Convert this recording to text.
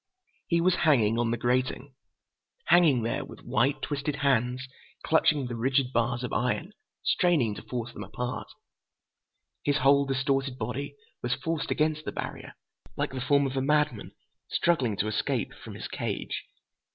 He was hanging on the grating. Hanging there, with white, twisted hands clutching the rigid bars of iron, straining to force them apart. His whole distorted body was forced against the barrier, like the form of a madman struggling to escape from his cage.